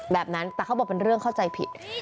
แต่เขาบอกเป็นเรื่องเข้าใจผิด